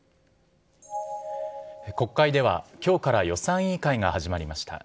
国会では、きょうから予算委員会が始まりました。